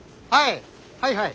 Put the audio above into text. はい！